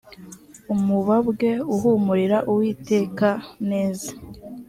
umubabwe uhumurira uwiteka neza